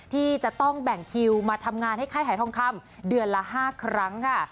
ที่จะต้องแบ่งคิวมาทำงานให้ค่ายหายทองคำเดือนละ๕ครั้งค่ะ